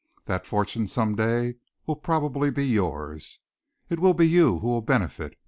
That fortune some day will probably be yours. It will be you who will benefit.